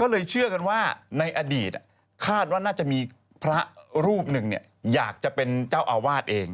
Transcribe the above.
ก็เลยเชื่อกันว่าในอดีตคาดว่าน่าจะมีพระรูปหนึ่งอยากจะเป็นเจ้าอาวาสเอง